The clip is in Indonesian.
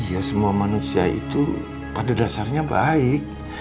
ya semua manusia itu pada dasarnya baik